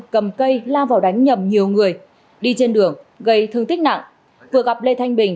cầm cây lao vào đánh nhầm nhiều người đi trên đường gây thương tích nặng vừa gặp lê thanh bình